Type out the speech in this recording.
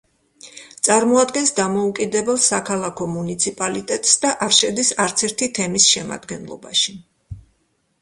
წარმოადგენს დამოუკიდებელ საქალაქო მუნიციპალიტეტს და არ შედის არც ერთი თემის შემადგენლობაში.